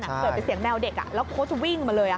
เปิดไปเสียงแมวเด็กแล้วโคตรวิ่งมาเลยค่ะ